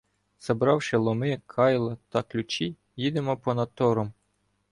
Забравши ломи, кайла та ключі, їдемо понад тором.